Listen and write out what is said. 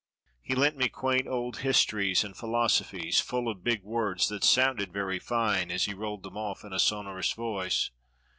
He lent me quaint old histories and philosophies, full of big words that sounded very fine as he rolled them off in a sonorous voice.